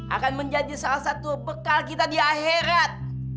akan menjadi salah satu bekal kita di akhirat